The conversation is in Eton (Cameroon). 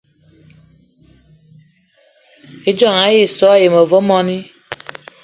Ijon ayì dúgne so àyi ma ve mwani